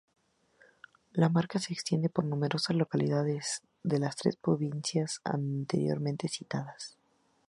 La marca se extiende por numerosas localidades de las tres provincias anteriormente citadas.